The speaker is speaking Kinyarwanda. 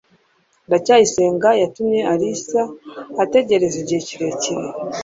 ndacyayisenga yatumye alice ategereza igihe kirekire